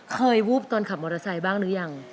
วูบตอนขับมอเตอร์ไซค์บ้างหรือยัง